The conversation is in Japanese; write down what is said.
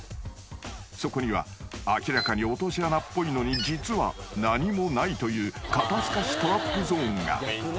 ［そこには明らかに落とし穴っぽいのに実は何もないという肩透かしトラップゾーンが］